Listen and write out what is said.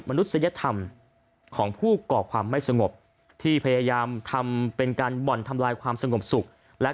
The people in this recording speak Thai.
นุษยธรรมของผู้ก่อความไม่สงบที่พยายามทำเป็นการบ่อนทำลายความสงบสุขและ